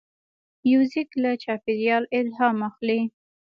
موزیک له چاپېریال الهام اخلي.